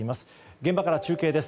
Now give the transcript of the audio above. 現場から中継です。